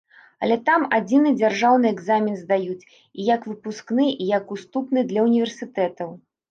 Але там адзіны дзяржаўны экзамен здаюць і як выпускны, і як уступны для ўніверсітэтаў.